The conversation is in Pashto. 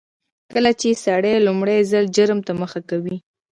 کله چې سړی لومړي ځل جرم ته مخه کوي